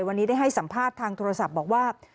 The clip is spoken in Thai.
วันนี้ได้ให้สัมภาษณ์ทางโทรศัพท์บอกว่า